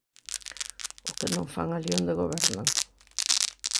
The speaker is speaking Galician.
¿O que non fan alí onde gobernan?